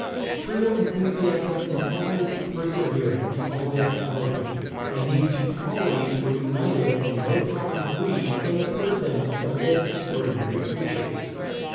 True enthusiasm is always persevering and always eloquent, and these two qualities were united in no common degree in the person of this extraordinary preacher.